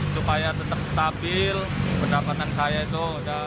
supaya tetap stabil pendapatan saya itu